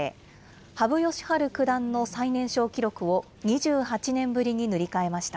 羽生善治九段の最年少記録を２８年ぶりに塗り替えました。